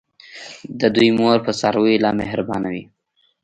د دوی مور په څارویو لا مهربانه وي.